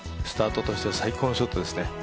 スタートとしては最高のショットですね。